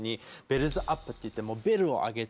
ベルズアップっていってもうベルを上げて。